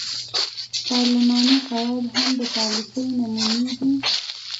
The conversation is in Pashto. پارلماني قواعد هم د پالیسۍ نمونې دي.